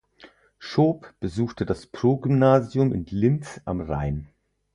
Schoop besuchte das Progymnasium in Linz am Rhein.